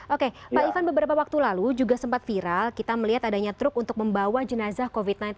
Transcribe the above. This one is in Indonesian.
oke pak ivan beberapa waktu lalu juga sempat viral kita melihat adanya truk untuk membawa jenazah covid sembilan belas